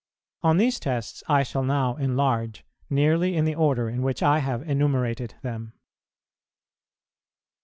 On these tests I shall now enlarge, nearly in the order in which I have enumerated them.